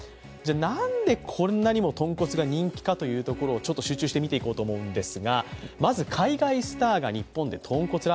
なんで、こんなにもとんこつが人気なのかというところを集中して見ていこうと思います。